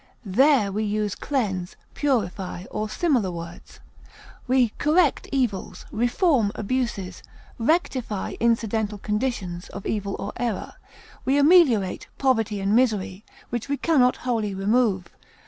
There we use cleanse, purify, or similar words. We correct evils, reform abuses, rectify incidental conditions of evil or error; we ameliorate poverty and misery, which we can not wholly remove.